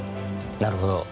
なるほど。